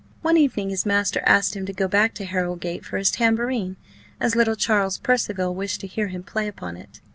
One evening his master asked him to go back to Harrowgate for his tambourine, as little Charles Percival wished to hear him play upon it.